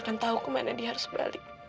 akan tahu kemana dia harus balik